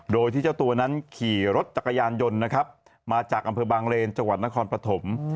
โดยที่เจ้าตัวนั้นขี่รถจักรยานยนต์นะครับมาจากอำเภอบางเลนจังหวัดนครปฐม